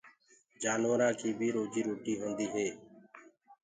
جآنورآنٚ ڪيٚ بيٚ روجيٚ روٽيٚ هونديٚ هي